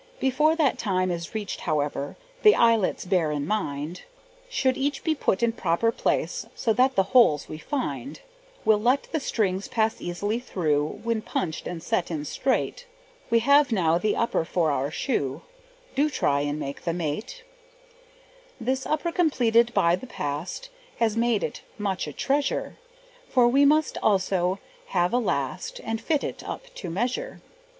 Before that time is reached, however, The eyelets, bear in mind, Should each be put in proper place, So that the holes we find Will let the strings pass easily through, When punched and set in straight; We have now the upper for our shoe, Do try and make the mate. This upper completed by the past, Has made it much a treasure, For we must also have a last, And fit it up to measure.